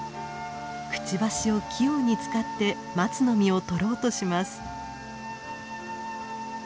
くちばしを器用に使ってマツの実を取ろうとします。